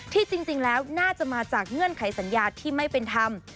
ที่จริงแล้วน่าจะมาจากเงื่อนไขสัญญาที่ไม่เป็นธรรม